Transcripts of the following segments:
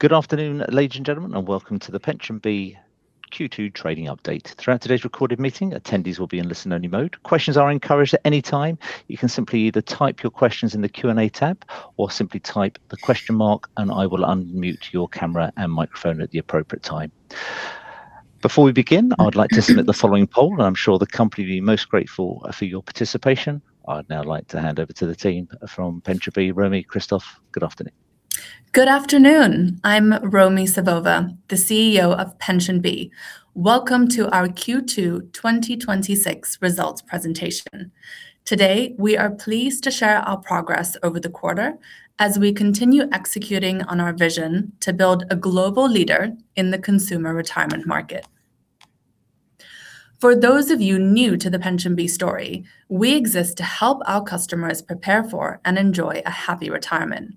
Good afternoon, ladies and gentlemen, welcome to the PensionBee Q2 trading update. Throughout today's recorded meeting, attendees will be in listen-only mode. Questions are encouraged at any time. You can simply either type your questions in the Q&A tab or simply type the question mark and I will unmute your camera and microphone at the appropriate time. Before we begin, I would like to submit the following poll, and I'm sure the company will be most grateful for your participation. I'd now like to hand over to the team from PensionBee. Romi, Christoph, good afternoon. Good afternoon. I'm Romi Savova, the CEO of PensionBee. Welcome to our Q2 2026 results presentation. Today, we are pleased to share our progress over the quarter as we continue executing on our vision to build a global leader in the consumer retirement market. For those of you new to the PensionBee story, we exist to help our customers prepare for and enjoy a happy retirement.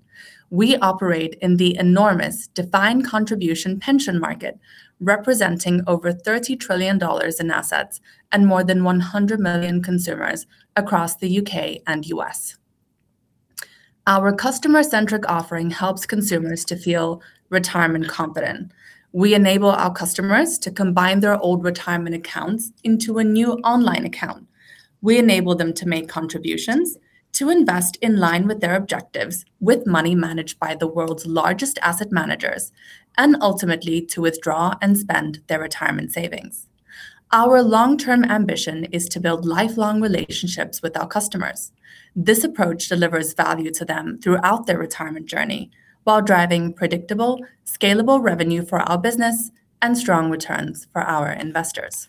We operate in the enormous defined contribution pension market, representing over $30 trillion in assets and more than 100 million consumers across the U.K. and U.S. Our customer-centric offering helps consumers to feel retirement confident. We enable our customers to combine their old retirement accounts into a new online account. We enable them to make contributions, to invest in line with their objectives, with money managed by the world's largest asset managers, and ultimately, to withdraw and spend their retirement savings. Our long-term ambition is to build lifelong relationships with our customers. This approach delivers value to them throughout their retirement journey while driving predictable, scalable revenue for our business and strong returns for our investors.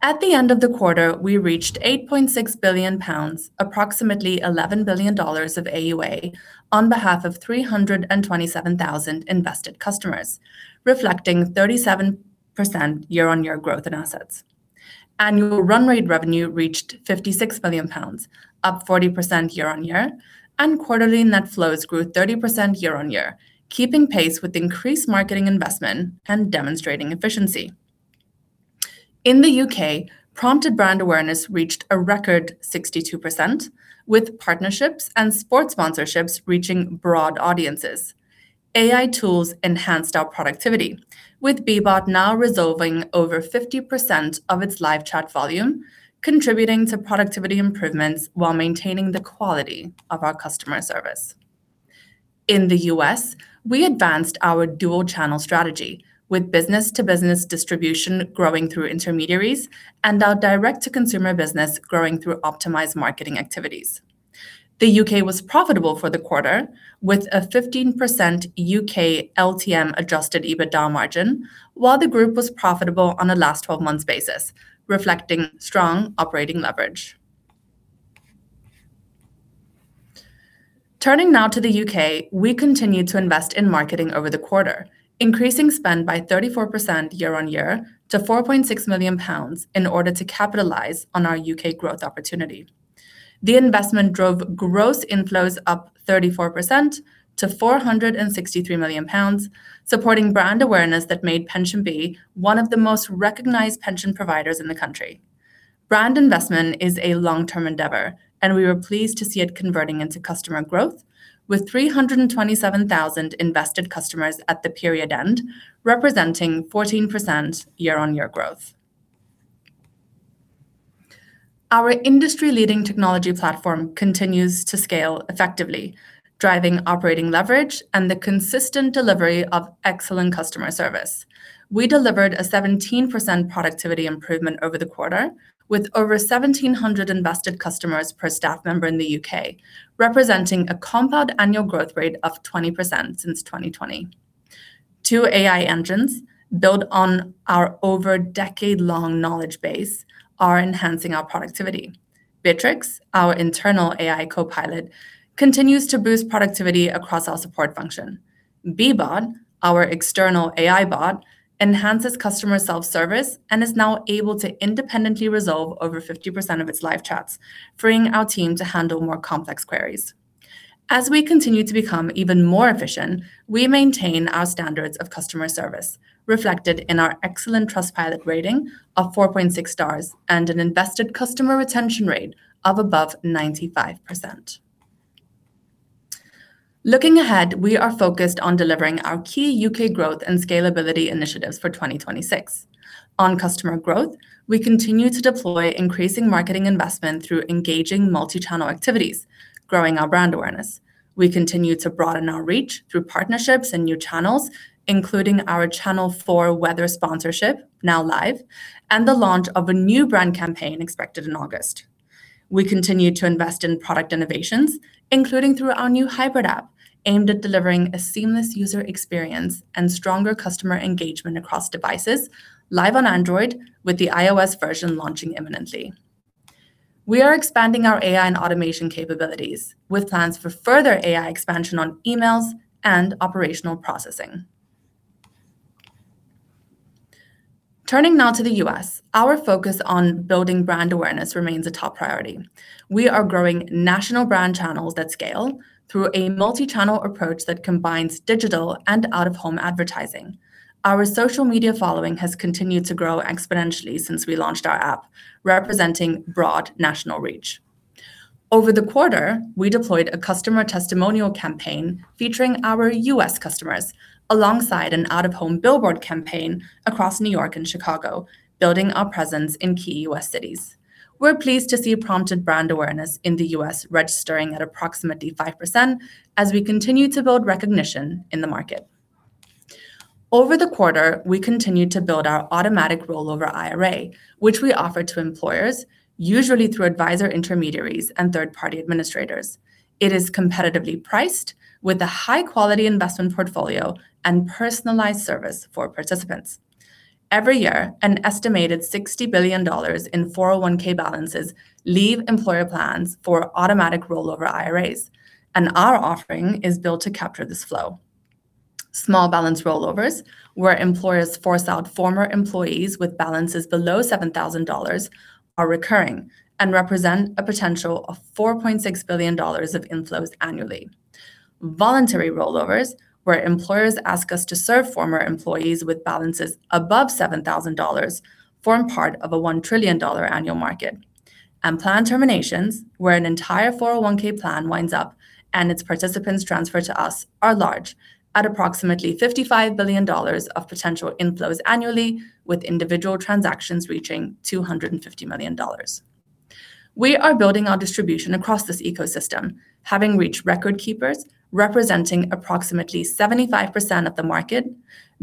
At the end of the quarter, we reached 8.6 billion pounds, approximately $11 billion of AUA on behalf of 327,000 invested customers, reflecting 37% year-on-year growth in assets. Annual run rate revenue reached 56 million pounds, up 40% year-on-year, and quarterly net flows grew 30% year-on-year, keeping pace with increased marketing investment and demonstrating efficiency. In the U.K., prompted brand awareness reached a record 62%, with partnerships and sports sponsorships reaching broad audiences. AI tools enhanced our productivity, with BeeBot now resolving over 50% of its live chat volume, contributing to productivity improvements while maintaining the quality of our customer service. In the U.S., we advanced our dual-channel strategy with business-to-business distribution growing through intermediaries and our direct-to-consumer business growing through optimized marketing activities. The U.K. was profitable for the quarter, with a 15% U.K. LTM adjusted EBITDA margin, while the group was profitable on a last 12 months basis, reflecting strong operating leverage. Turning now to the U.K., we continued to invest in marketing over the quarter, increasing spend by 34% year-on-year to 4.6 million pounds in order to capitalize on our U.K. growth opportunity. The investment drove gross inflows up 34% to 463 million pounds, supporting brand awareness that made PensionBee one of the most recognized pension providers in the country. Brand investment is a long-term endeavor, and we were pleased to see it converting into customer growth with 327,000 invested customers at the period end, representing 14% year-on-year growth. Our industry-leading technology platform continues to scale effectively, driving operating leverage and the consistent delivery of excellent customer service. We delivered a 17% productivity improvement over the quarter, with over 1,700 invested customers per staff member in the U.K., representing a compound annual growth rate of 20% since 2020. Two AI engines built on our over decade-long knowledge base are enhancing our productivity. Beatrix, our internal AI co-pilot, continues to boost productivity across our support function. BeeBot, our external AI bot, enhances customer self-service and is now able to independently resolve over 50% of its live chats, freeing our team to handle more complex queries. As we continue to become even more efficient, we maintain our standards of customer service, reflected in our excellent Trustpilot rating of 4.6 stars and an invested customer retention rate of above 95%. Looking ahead, we are focused on delivering our key U.K. growth and scalability initiatives for 2026. On customer growth, we continue to deploy increasing marketing investment through engaging multi-channel activities, growing our brand awareness. We continue to broaden our reach through partnerships and new channels, including our Channel 4 Weather sponsorship, now live, and the launch of a new brand campaign expected in August. We continue to invest in product innovations, including through our new hybrid app, aimed at delivering a seamless user experience and stronger customer engagement across devices live on Android, with the iOS version launching imminently. We are expanding our AI and automation capabilities with plans for further AI expansion on emails and operational processing. Turning now to the U.S., our focus on building brand awareness remains a top priority. We are growing national brand channels that scale through a multi-channel approach that combines digital and out-of-home advertising. Our social media following has continued to grow exponentially since we launched our app, representing broad national reach. Over the quarter, we deployed a customer testimonial campaign featuring our U.S. customers, alongside an out-of-home billboard campaign across New York and Chicago, building our presence in key U.S. cities. We're pleased to see prompted brand awareness in the U.S. registering at approximately 5% as we continue to build recognition in the market. Over the quarter, we continued to build our Automatic Rollover IRA, which we offer to employers, usually through advisor intermediaries and third-party administrators. It is competitively priced with a high-quality investment portfolio and personalized service for participants. Every year, an estimated $60 billion in 401(k) balances leave employer plans for Automatic Rollover IRAs. Our offering is built to capture this flow. Small balance rollovers, where employers force out former employees with balances below $7,000, are recurring and represent a potential of $4.6 billion of inflows annually. Voluntary rollovers, where employers ask us to serve former employees with balances above $7,000, form part of a $1 trillion annual market. Plan terminations, where an entire 401(k) plan winds up and its participants transfer to us, are large, at approximately $55 billion of potential inflows annually, with individual transactions reaching $250 million. We are building our distribution across this ecosystem, having reached recordkeepers representing approximately 75% of the market,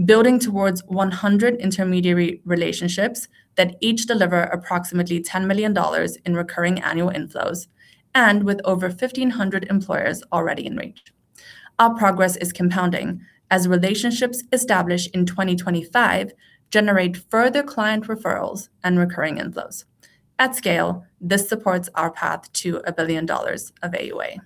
building towards 100 intermediary relationships that each deliver approximately $10 million in recurring annual inflows, and with over 1,500 employers already engaged. Our progress is compounding as relationships established in 2025 generate further client referrals and recurring inflows. At scale, this supports our path to $1 billion of AUA.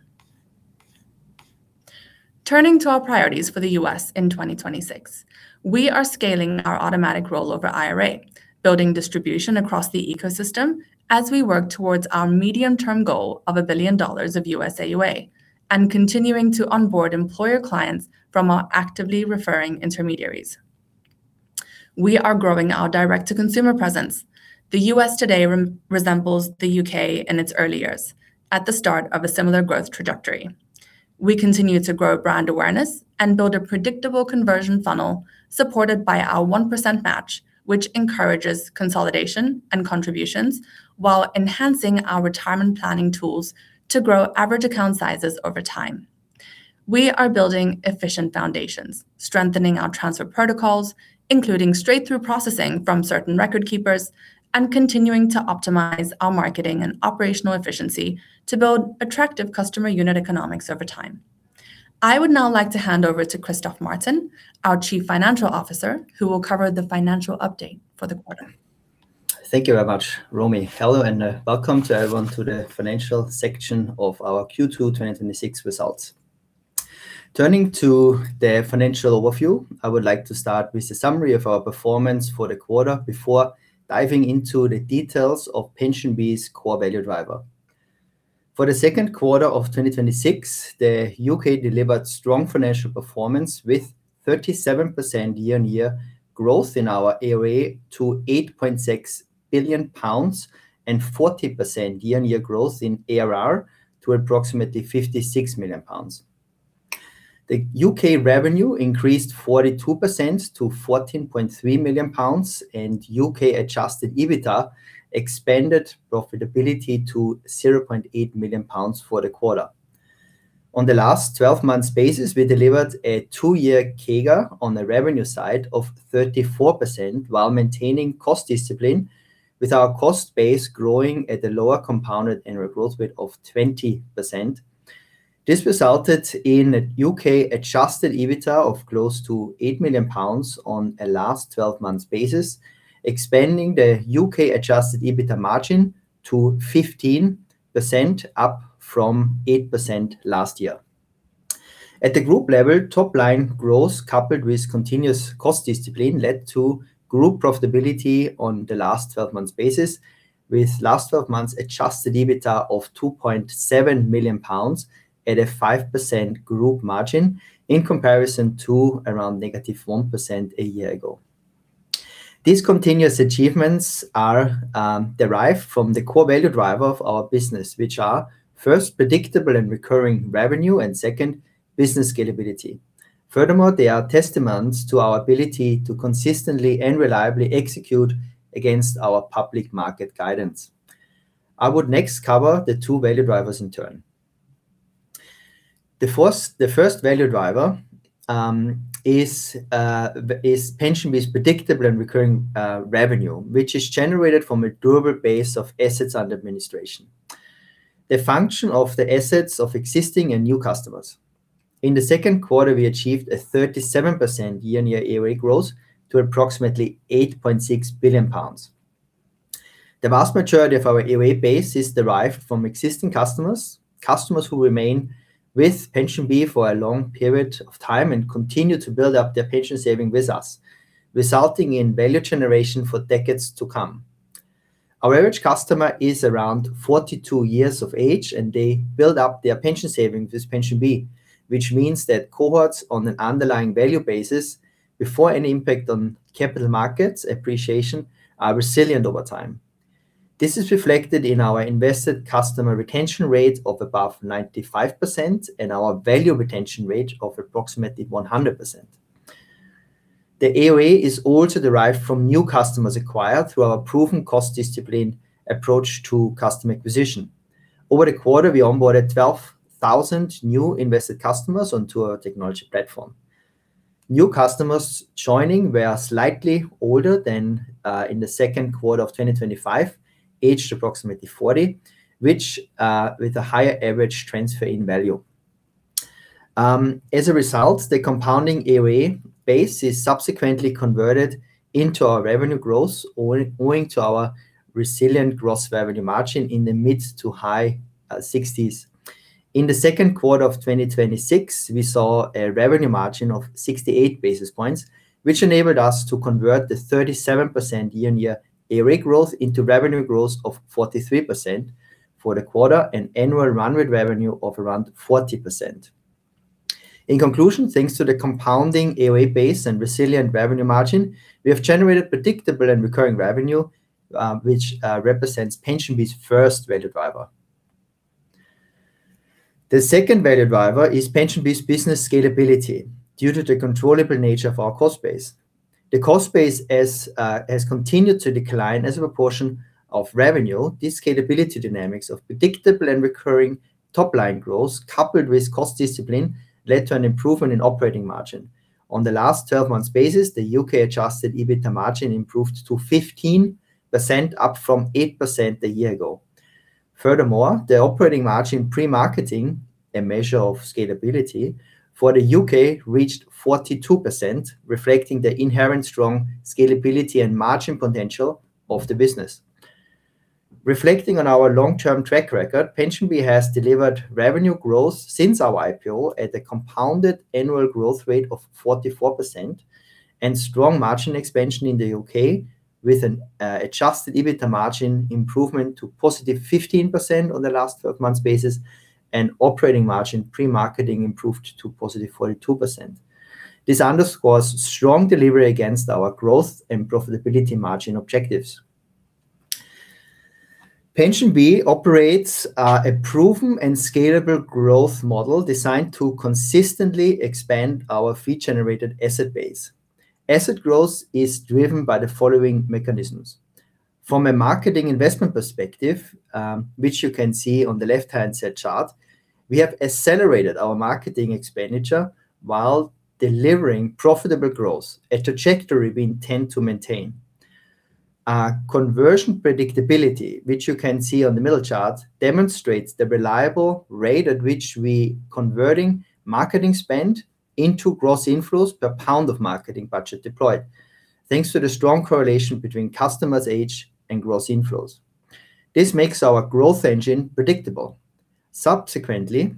Turning to our priorities for the U.S. in 2026, we are scaling our Automatic Rollover IRA, building distribution across the ecosystem as we work towards our medium-term goal of $1 billion of U.S. AUA, and continuing to onboard employer clients from our actively referring intermediaries. We are growing our direct-to-consumer presence. The U.S. today resembles the U.K. in its early years, at the start of a similar growth trajectory. We continue to grow brand awareness and build a predictable conversion funnel supported by our 1% match, which encourages consolidation and contributions while enhancing our retirement planning tools to grow average account sizes over time. We are building efficient foundations, strengthening our transfer protocols, including straight-through processing from certain recordkeepers, and continuing to optimize our marketing and operational efficiency to build attractive customer unit economics over time. I would now like to hand over to Christoph Martin, our Chief Financial Officer, who will cover the financial update for the quarter. Thank you very much, Romi. Hello, and welcome to everyone to the financial section of our Q2 2026 results. Turning to the financial overview, I would like to start with a summary of our performance for the quarter before diving into the details of PensionBee's core value driver. For the second quarter of 2026, the U.K. delivered strong financial performance with 37% year-on-year growth in our AUA to 8.6 billion pounds and 40% year-on-year growth in ARR to approximately 56 million pounds. The U.K. revenue increased 42% to 14.3 million pounds, and U.K. adjusted EBITDA expanded profitability to 0.8 million pounds for the quarter. On the last 12 months basis, we delivered a two-year CAGR on the revenue side of 34%, while maintaining cost discipline with our cost base growing at a lower compounded annual growth rate of 20%. This resulted in a U.K. adjusted EBITDA of close to 8 million pounds on a last 12 months basis, expanding the U.K. adjusted EBITDA margin to 15%, up from 8% last year. At the group level, top-line growth, coupled with continuous cost discipline, led to group profitability on the last 12 months basis, with last 12 months adjusted EBITDA of 2.7 million pounds at a 5% group margin, in comparison to around negative 1% a year ago. These continuous achievements are derived from the core value driver of our business, which are, first, predictable and recurring revenue, and second, business scalability. Furthermore, they are testaments to our ability to consistently and reliably execute against our public market guidance. I would next cover the two value drivers in turn. The first value driver is PensionBee's predictable and recurring revenue, which is generated from a durable base of assets under administration. The function of the assets of existing and new customers. In the second quarter, we achieved a 37% year-on-year AUA growth to approximately 8.6 billion pounds. The vast majority of our AUA base is derived from existing customers who remain with PensionBee for a long period of time and continue to build up their pension saving with us, resulting in value generation for decades to come. Our average customer is around 42 years of age, and they build up their pension saving with PensionBee, which means that cohorts on an underlying value basis, before any impact on capital markets appreciation, are resilient over time. This is reflected in our invested customer retention rate of above 95% and our value retention rate of approximately 100%. The AUA is also derived from new customers acquired through our proven cost discipline approach to customer acquisition. Over the quarter, we onboarded 12,000 new invested customers onto our technology platform. New customers joining were slightly older than in the second quarter of 2025, aged approximately 40, with a higher average transfer in value. As a result, the compounding AUA base is subsequently converted into our revenue growth owing to our resilient gross revenue margin in the mid-to-high 60s. In the second quarter of 2026, we saw a revenue margin of 68 basis points, which enabled us to convert the 37% year-on-year AUA growth into revenue growth of 43% for the quarter and annual run rate revenue of around 40%. In conclusion, thanks to the compounding AUA base and resilient revenue margin, we have generated predictable and recurring revenue, which represents PensionBee's first value driver. The second value driver is PensionBee's business scalability due to the controllable nature of our cost base. The cost base has continued to decline as a proportion of revenue. These scalability dynamics of predictable and recurring top-line growth, coupled with cost discipline, led to an improvement in operating margin. On the last 12 months basis, the U.K. adjusted EBITDA margin improved to 15%, up from 8% a year ago. Furthermore, the operating margin pre-marketing, a measure of scalability, for the U.K. reached 42%, reflecting the inherent strong scalability and margin potential of the business. Reflecting on our long-term track record, PensionBee has delivered revenue growth since our IPO at a compounded annual growth rate of 44% and strong margin expansion in the U.K. with an adjusted EBITDA margin improvement to positive 15% on the last 12 months basis and operating margin pre-marketing improved to positive 42%. This underscores strong delivery against our growth and profitability margin objectives. PensionBee operates a proven and scalable growth model designed to consistently expand our fee-generated asset base. Asset growth is driven by the following mechanisms. From a marketing investment perspective, which you can see on the left-hand side chart, we have accelerated our marketing expenditure while delivering profitable growth, a trajectory we intend to maintain. Our conversion predictability, which you can see on the middle chart, demonstrates the reliable rate at which we converting marketing spend into gross inflows per pound of marketing budget deployed, thanks to the strong correlation between customers' age and gross inflows. Subsequently,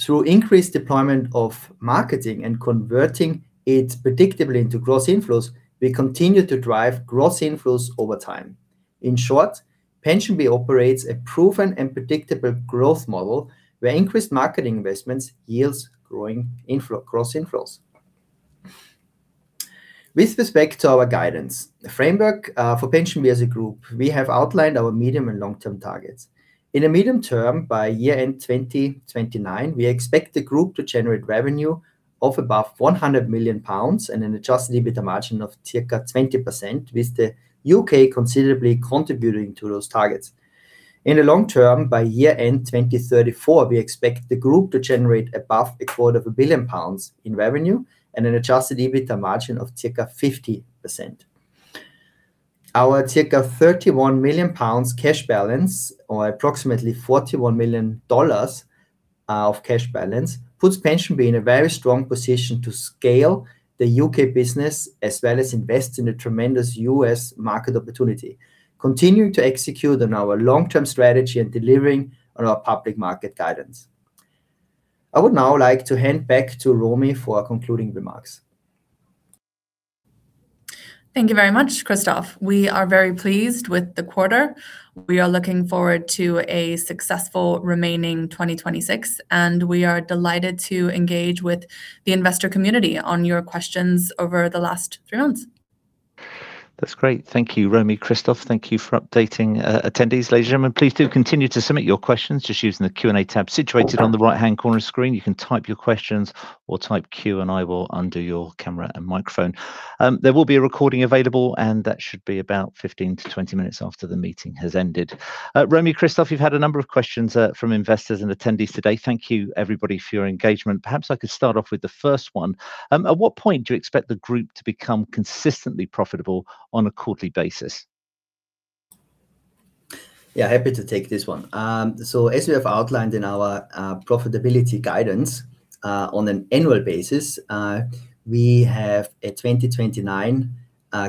through increased deployment of marketing and converting it predictably into gross inflows, we continue to drive gross inflows over time. In short, PensionBee operates a proven and predictable growth model where increased marketing investments yields growing gross inflows. With respect to our guidance framework for PensionBee as a group, we have outlined our medium and long-term targets. In the medium term, by year-end 2029, we expect the group to generate revenue of above 100 million pounds and an adjusted EBITDA margin of circa 20%, with the U.K. considerably contributing to those targets. In the long term, by year-end 2034, we expect the group to generate above a 250 million pounds in revenue and an adjusted EBITDA margin of circa 50%. Our circa 31 million pounds cash balance, or approximately $41 million of cash balance, puts PensionBee in a very strong position to scale the U.K. business as well as invest in a tremendous U.S. market opportunity, continuing to execute on our long-term strategy and delivering on our public market guidance. I would now like to hand back to Romi for concluding remarks. Thank you very much, Christoph. We are very pleased with the quarter. We are looking forward to a successful remaining 2026, and we are delighted to engage with the investor community on your questions over the last three months. That's great. Thank you, Romi, Christoph. Thank you for updating attendees. Ladies and gentlemen, please do continue to submit your questions just using the Q&A tab situated on the right-hand corner of the screen. You can type your questions or type Q and I will unmute your camera and microphone. There will be a recording available, and that should be about 15-20 minutes after the meeting has ended. Romi, Christoph, you've had a number of questions from investors and attendees today. Thank you, everybody, for your engagement. Perhaps I could start off with the first one. At what point do you expect the group to become consistently profitable on a quarterly basis? Yeah, happy to take this one. As we have outlined in our profitability guidance on an annual basis, we have a 2029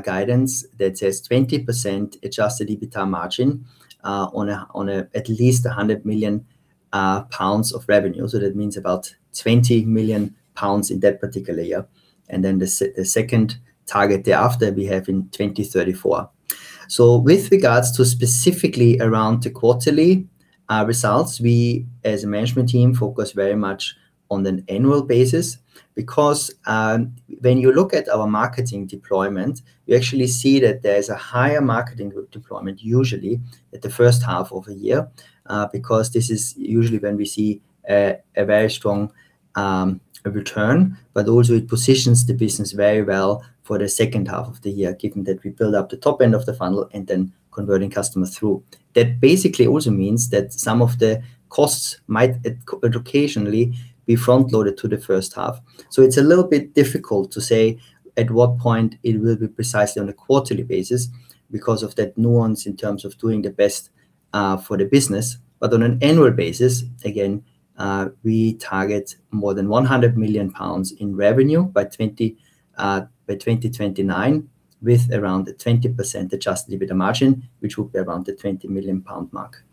guidance that says 20% adjusted EBITDA margin on at least 100 million pounds of revenue. That means about 20 million pounds in that particular year. The second target thereafter we have in 2034. With regards to specifically around the quarterly results, we as a management team focus very much on an annual basis because when you look at our marketing deployment, you actually see that there's a higher marketing deployment usually at the first half of a year because this is usually when we see a very strong return. Also it positions the business very well for the second half of the year, given that we build up the top end of the funnel and then converting customers through. It basically also means that some of the costs might occasionally be front-loaded to the first half. It's a little bit difficult to say at what point it will be precisely on a quarterly basis because of that nuance in terms of doing the best for the business. On an annual basis, again, we target more than 100 million pounds in revenue by 2029, with around a 20% adjusted EBITDA margin, which will be around the 20 million pound mark.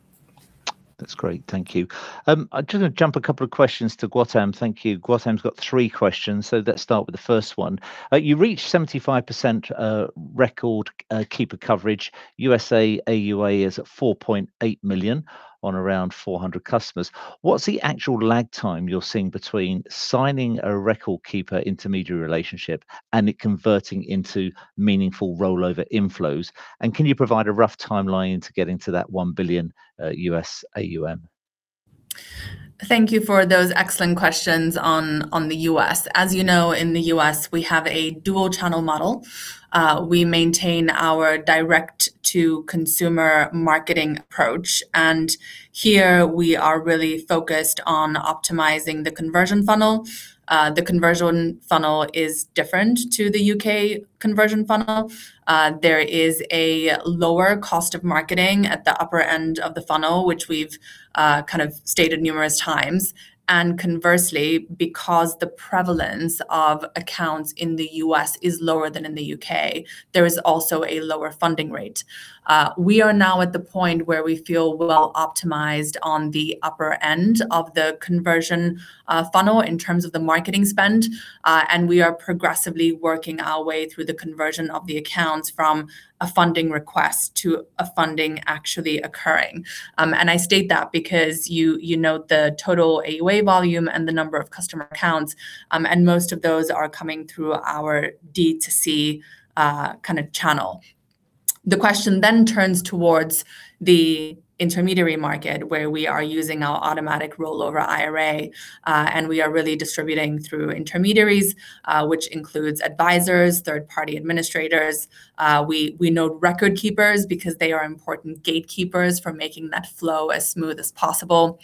That's great. Thank you. I'm just going to jump a couple of questions to Gautam. Thank you. Gautam's got three questions, so let's start with the first one. You reached 75% recordkeeper coverage. U.S. AUA is at $4.8 million on around 400 customers. What's the actual lag time you're seeing between signing a recordkeeper intermediary relationship and it converting into meaningful rollover inflows? Can you provide a rough timeline to getting to that $1 billion U.S. AUM? Thank you for those excellent questions on the U.S. As you know, in the U.S., we have a dual channel model. We maintain our direct-to-consumer marketing approach, here we are really focused on optimizing the conversion funnel. The conversion funnel is different to the U.K. conversion funnel. There is a lower cost of marketing at the upper end of the funnel, which we've kind of stated numerous times. Conversely, because the prevalence of accounts in the U.S. is lower than in the U.K., there is also a lower funding rate. We are now at the point where we feel well optimized on the upper end of the conversion funnel in terms of the marketing spend. We are progressively working our way through the conversion of the accounts from a funding request to a funding actually occurring. I state that because you note the total AUA volume and the number of customer accounts. Most of those are coming through our D2C channel. The question then turns towards the intermediary market, where we are using our Automatic Rollover IRA. We are really distributing through intermediaries which includes advisors, third-party administrators. We note recordkeepers because they are important gatekeepers for making that flow as smooth as possible.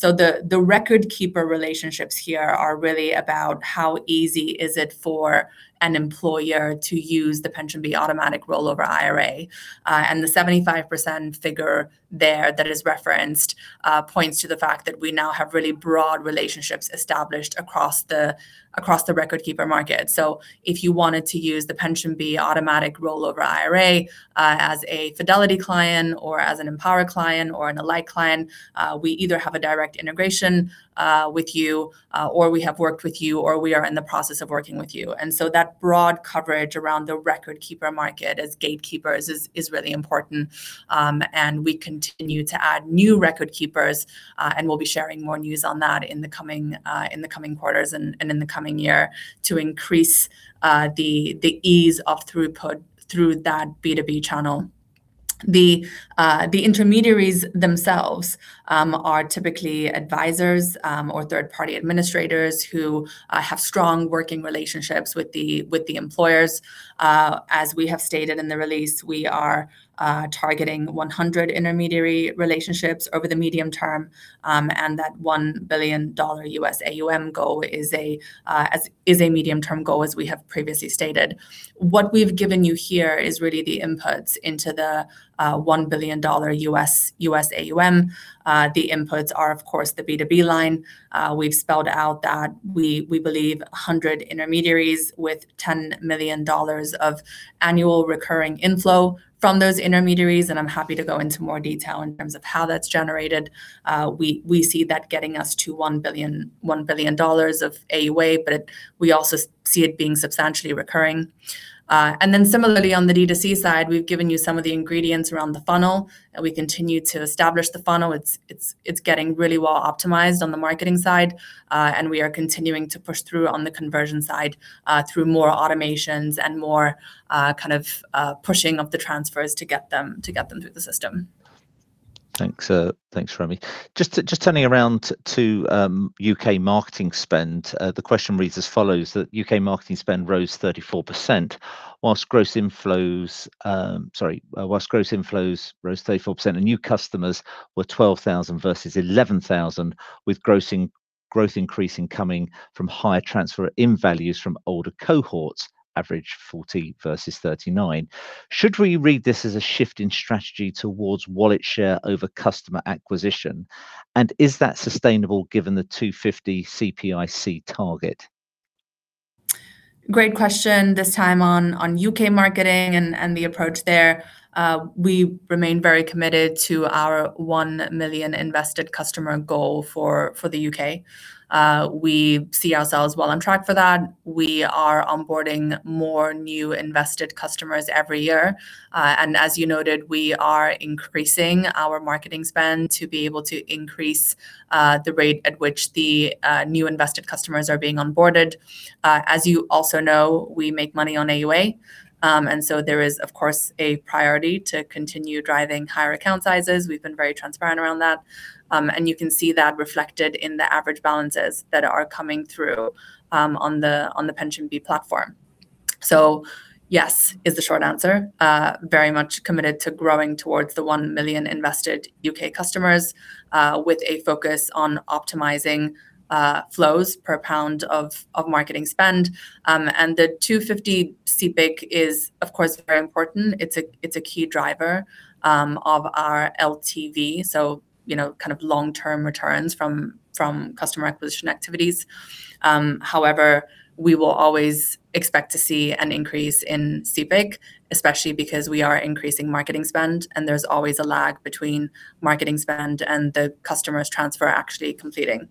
The recordkeeper relationships here are really about how easy is it for an employer to use the PensionBee Automatic Rollover IRA. The 75% figure there that is referenced points to the fact that we now have really broad relationships established across the recordkeeper market. If you wanted to use the PensionBee Automatic Rollover IRA as a Fidelity client or as an Empower client or an Ally client, we either have a direct integration with you, or we have worked with you, or we are in the process of working with you. That broad coverage around the recordkeeper market as gatekeepers is really important. We continue to add new recordkeepers, and we will be sharing more news on that in the coming quarters and in the coming year to increase the ease of throughput through that B2B channel. The intermediaries themselves are typically advisors or third-party administrators who have strong working relationships with the employers. As we have stated in the release, we are targeting 100 intermediary relationships over the medium term, and that $1 billion U.S. AUM goal is a medium-term goal as we have previously stated. What we've given you here is really the inputs into the $1 billion U.S. AUM. The inputs are, of course, the B2B line. We've spelled out that we believe 100 intermediaries with $10 million of annual recurring inflow from those intermediaries, and I am happy to go into more detail in terms of how that is generated. We see that getting us to $1 billion of AUA, but we also see it being substantially recurring. Similarly on the D2C side, we've given you some of the ingredients around the funnel. We continue to establish the funnel. It is getting really well optimized on the marketing side. We are continuing to push through on the conversion side through more automations and more pushing of the transfers to get them through the system. Thanks, Romi. Just turning around to U.K. marketing spend. The question reads as follows that U.K. marketing spend rose 34%, whilst gross inflows rose 34%, and new customers were 12,000 versus 11,000, with growth increase incoming from higher transfer in values from older cohorts, average 40 versus 39. Should we read this as a shift in strategy towards wallet share over customer acquisition, and is that sustainable given the 250 CPIC target? Great question. This time on U.K. marketing and the approach there. We remain very committed to our 1 million invested customer goal for the U.K. We see ourselves well on track for that. We are onboarding more new invested customers every year. As you noted, we are increasing our marketing spend to be able to increase the rate at which the new invested customers are being onboarded. As you also know, we make money on AUA, there is, of course, a priority to continue driving higher account sizes. We have been very transparent around that. You can see that reflected in the average balances that are coming through on the PensionBee platform. Yes is the short answer. Very much committed to growing towards the 1 million invested U.K. customers, with a focus on optimizing flows per pound of marketing spend. The 250 CPIC is, of course, very important. It's a key driver of our LTV, so long-term returns from customer acquisition activities. We will always expect to see an increase in CPIC, especially because we are increasing marketing spend and there's always a lag between marketing spend and the customer's transfer actually completing.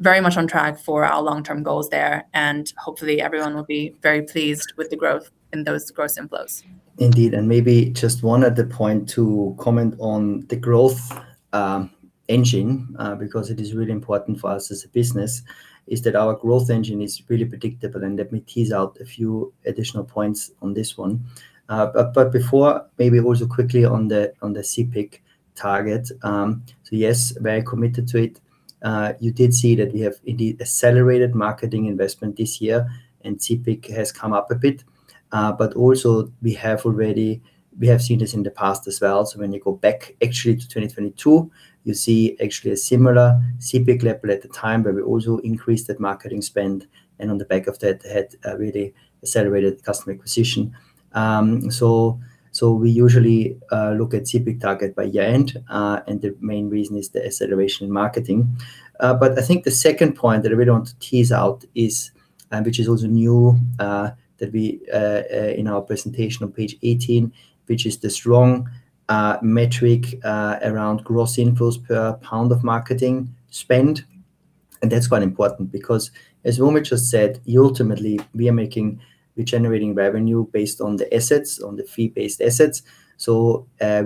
Very much on track for our long-term goals there, and hopefully everyone will be very pleased with the growth in those gross inflows. Indeed, maybe just one other point to comment on the growth engine, because it is really important for us as a business, is that our growth engine is really predictable, and let me tease out a few additional points on this one. Before, maybe also quickly on the CPIC target. Yes, very committed to it. You did see that we have indeed accelerated marketing investment this year, CPIC has come up a bit. Also we have seen this in the past as well, when you go back actually to 2022, you see actually a similar CPIC level at the time where we also increased that marketing spend, and on the back of that had a really accelerated customer acquisition. We usually look at CPIC target by year-end, and the main reason is the acceleration in marketing. I think the second point that I really want to tease out is, which is also new, that in our presentation on page 18, which is the strong metric around gross inflows per GBP of marketing spend, that's quite important because, as Romi just said, ultimately, we are generating revenue based on the assets, on the fee-based assets.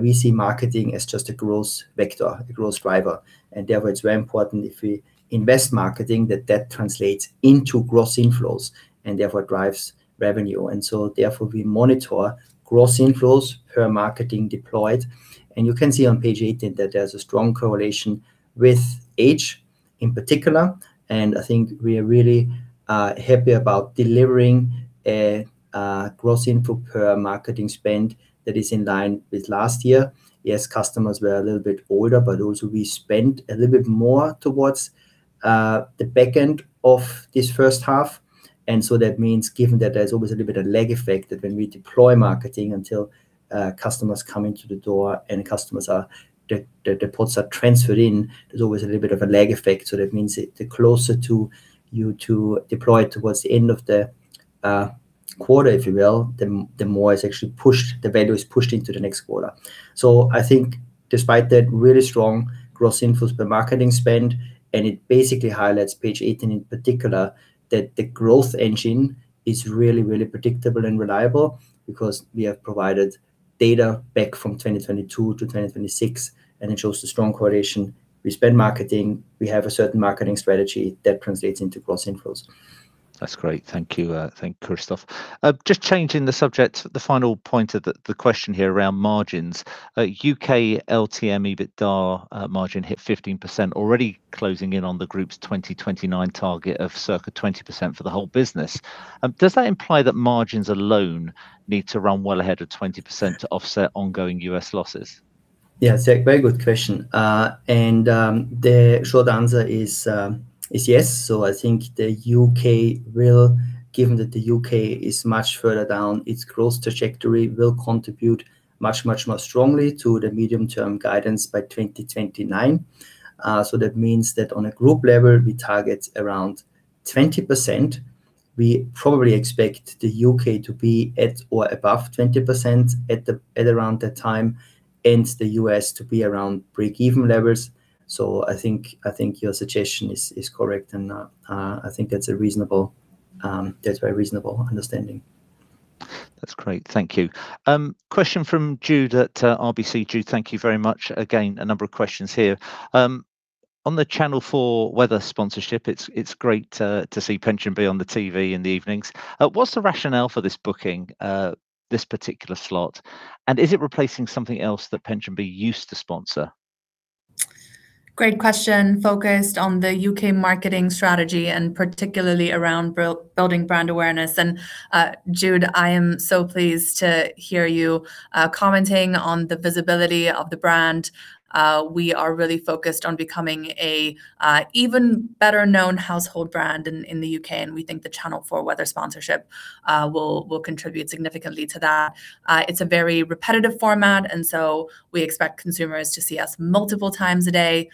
We see marketing as just a growth vector, a growth driver. Therefore, it's very important if we invest marketing, that that translates into gross inflows and therefore drives revenue. Therefore, we monitor gross inflows per marketing deployed. You can see on page 18 that there's a strong correlation with age in particular. I think we are really happy about delivering a gross inflow per marketing spend that is in line with last year. Yes, customers were a little bit older, also we spent a little bit more towards the back end of this first half. That means given that there's always a little bit of lag effect that when we deploy marketing until customers come into the door and the pots are transferred in, there's always a little bit of a lag effect. That means the closer you to deploy towards the end of the quarter, if you will, the more the value is pushed into the next quarter. I think despite that really strong gross inflows per marketing spend, it basically highlights page 18 in particular, that the growth engine is really, really predictable and reliable because we have provided data back from 2022-2026, it shows a strong correlation. We spend marketing, we have a certain marketing strategy that translates into gross inflows. That's great. Thank you. Thank you, Christoph. Just changing the subject, the final point of the question here around margins. U.K. LTM EBITDA margin hit 15%, already closing in on the group's 2029 target of circa 20% for the whole business. Does that imply that margins alone need to run well ahead of 20% to offset ongoing U.S. losses? Yeah, Zac, very good question. The short answer is yes. I think the U.K. will, given that the U.K. is much further down its growth trajectory, will contribute much, much more strongly to the medium-term guidance by 2029. That means that on a group level, we target around 20%. We probably expect the U.K. to be at or above 20% at around that time, and the U.S. to be around breakeven levels. I think your suggestion is correct and I think that's a very reasonable understanding. That's great. Thank you. Question from Jude at RBC. Jude, thank you very much. Again, a number of questions here. On the Channel 4 Weather sponsorship, it's great to see PensionBee on the TV in the evenings. What's the rationale for this booking, this particular slot? Is it replacing something else that PensionBee used to sponsor? Great question. Focused on the U.K. marketing strategy, and particularly around building brand awareness. Jude, I am so pleased to hear you commenting on the visibility of the brand. We are really focused on becoming an even better-known household brand in the U.K., and we think the Channel 4 Weather sponsorship will contribute significantly to that. It's a very repetitive format, and so we expect consumers to see us multiple times a day.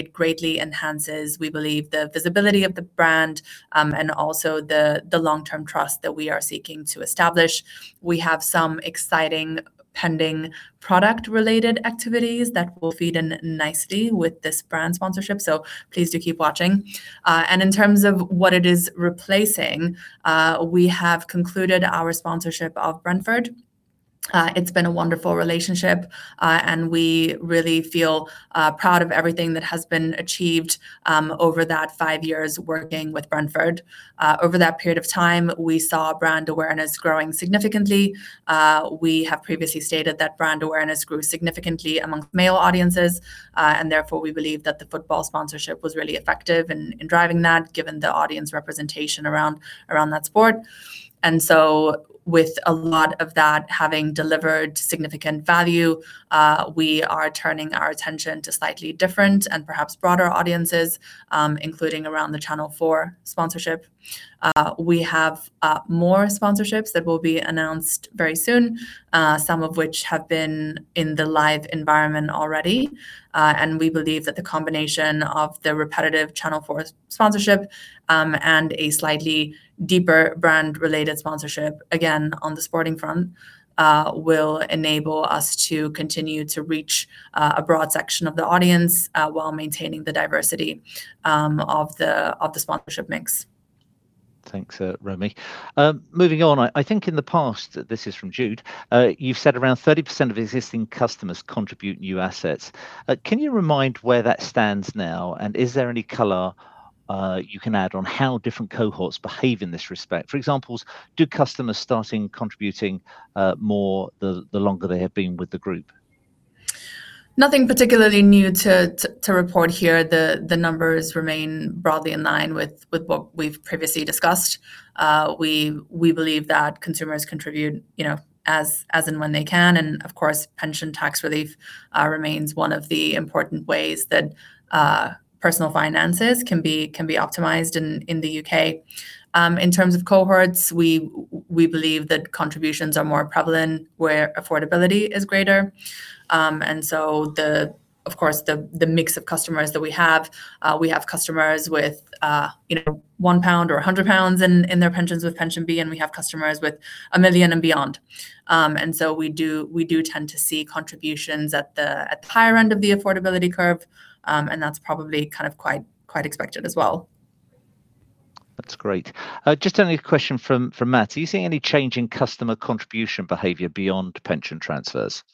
It greatly enhances, we believe, the visibility of the brand, and also the long-term trust that we are seeking to establish. We have some exciting pending product-related activities that will feed in nicely with this brand sponsorship, so please do keep watching. In terms of what it is replacing, we have concluded our sponsorship of Brentford. It's been a wonderful relationship, and we really feel proud of everything that has been achieved over that five years working with Brentford. Over that period of time, we saw brand awareness growing significantly. We have previously stated that brand awareness grew significantly among male audiences. Therefore, we believe that the football sponsorship was really effective in driving that, given the audience representation around that sport. With a lot of that having delivered significant value, we are turning our attention to slightly different and perhaps broader audiences, including around the Channel 4 sponsorship. We have more sponsorships that will be announced very soon, some of which have been in the live environment already. We believe that the combination of the repetitive Channel 4 sponsorship and a slightly deeper brand-related sponsorship, again, on the sporting front, will enable us to continue to reach a broad section of the audience while maintaining the diversity of the sponsorship mix. Thanks, Romi. Moving on. "I think in the past," this is from Jude, "you've said around 30% of existing customers contribute new assets. Can you remind where that stands now, and is there any color you can add on how different cohorts behave in this respect? For example, do customers starting contributing more the longer they have been with the group? Nothing particularly new to report here. The numbers remain broadly in line with what we've previously discussed. We believe that consumers contribute as and when they can, and of course, pension tax relief remains one of the important ways that personal finances can be optimized in the U.K. In terms of cohorts, we believe that contributions are more prevalent where affordability is greater. Of course, the mix of customers that we have, we have customers with 1 pound or 100 pounds in their pensions with PensionBee, and we have customers with 1 million and beyond. We do tend to see contributions at the higher end of the affordability curve, and that's probably quite expected as well. That's great. Just only a question from Matt. "Are you seeing any change in customer contribution behavior beyond pension transfers?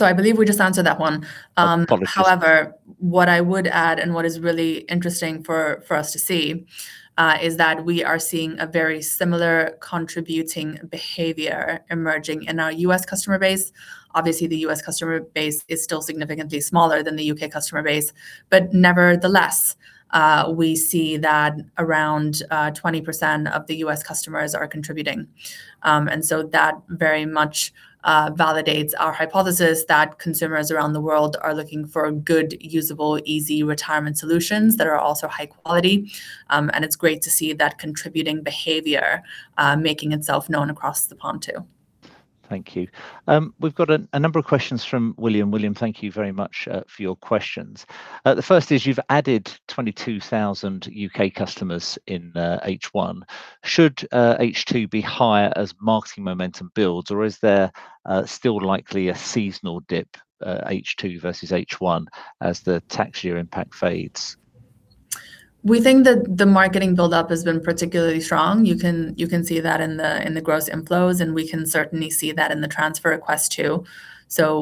I believe we just answered that one. Apologies. However, what I would add and what is really interesting for us to see, is that we are seeing a very similar contributing behavior emerging in our U.S. customer base. Obviously, the U.S. customer base is still significantly smaller than the U.K. customer base. But nevertheless, we see that around 20% of the U.S. customers are contributing. That very much validates our hypothesis that consumers around the world are looking for good, usable, easy retirement solutions that are also high quality. It's great to see that contributing behavior making itself known across the pond, too. Thank you. We've got a number of questions from William. William, thank you very much for your questions. The first is, "You've added 22,000 U.K. customers in H1. Should H2 be higher as marketing momentum builds, or is there still likely a seasonal dip H2 versus H1 as the tax year impact fades? We think that the marketing buildup has been particularly strong. You can see that in the gross inflows, and we can certainly see that in the transfer request, too.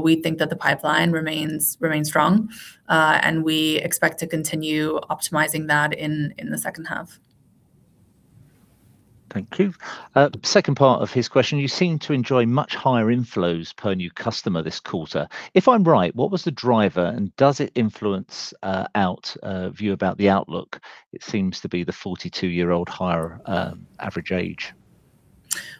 We think that the pipeline remains strong. We expect to continue optimizing that in the second half. Thank you. Second part of his question, "You seem to enjoy much higher inflows per new customer this quarter. If I'm right, what was the driver, and does it influence our view about the outlook? It seems to be the 42-year-old higher average age.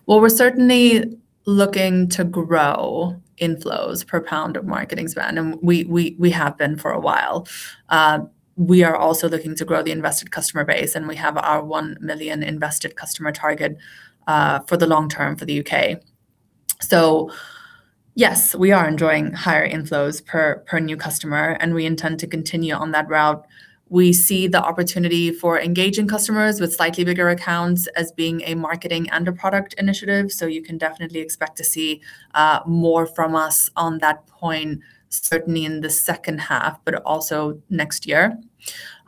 Well, we're certainly looking to grow inflows per pound of marketing spend, and we have been for a while. We are also looking to grow the invested customer base, and we have our 1 million invested customer target for the long term for the U.K. Yes, we are enjoying higher inflows per new customer, and we intend to continue on that route. We see the opportunity for engaging customers with slightly bigger accounts as being a marketing and a product initiative, so you can definitely expect to see more from us on that point, certainly in the second half, but also next year.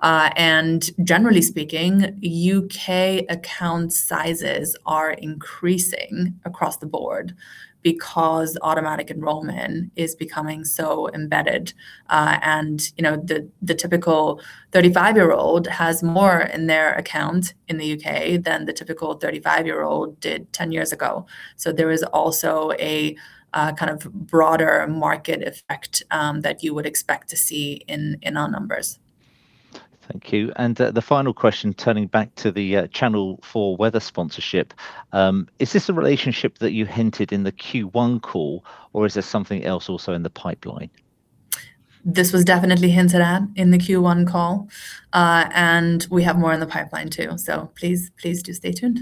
Generally speaking, U.K. account sizes are increasing across the board because automatic enrollment is becoming so embedded. The typical 35-year-old has more in their account in the U.K. than the typical 35-year-old did 10 years ago. There is also a kind of broader market effect that you would expect to see in our numbers. Thank you. The final question, turning back to the Channel 4 Weather sponsorship, is this a relationship that you hinted in the Q1 call, or is there something else also in the pipeline? This was definitely hinted at in the Q1 call. We have more in the pipeline, too. Please do stay tuned.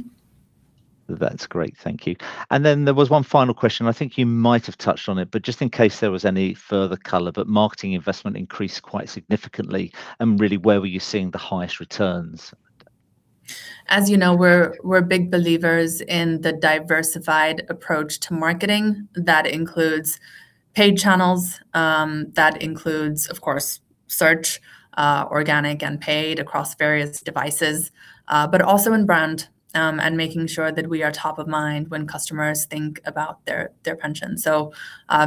That's great. Thank you. There was one final question, I think you might have touched on it, but just in case there was any further color, but marketing investment increased quite significantly, and really where were you seeing the highest returns? As you know, we're big believers in the diversified approach to marketing. That includes paid channels. That includes, of course, search, organic and paid across various devices. Also in brand and making sure that we are top of mind when customers think about their pension.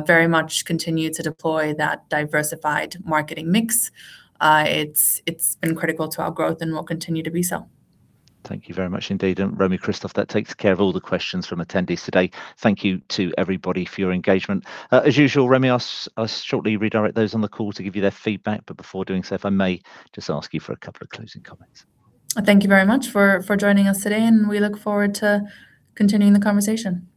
Very much continue to deploy that diversified marketing mix. It's been critical to our growth and will continue to be so. Thank you very much indeed. Romi, Christoph, that takes care of all the questions from attendees today. Thank you to everybody for your engagement. As usual, Romi, I'll shortly redirect those on the call to give you their feedback, but before doing so, if I may just ask you for a couple of closing comments. Thank you very much for joining us today, and we look forward to continuing the conversation.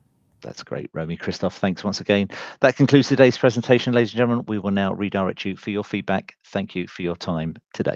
That's great, Romi, Christoph. Thanks once again. That concludes today's presentation, ladies and gentlemen. We will now redirect you for your feedback. Thank you for your time today.